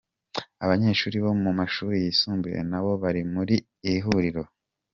Abanyeshuri bo mu mashuri yisumbuye nabo bari muri iri huriro.